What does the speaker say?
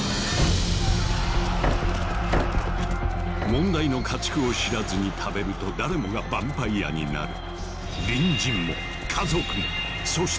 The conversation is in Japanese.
問題の家畜を知らずに食べると誰もがバンパイアになる。